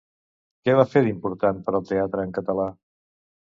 Què va fer d'important per al teatre en català?